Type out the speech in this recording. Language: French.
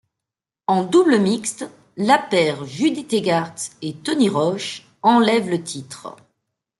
En double mixte, la paire Judy Tegart et Tony Roche enlève le titre.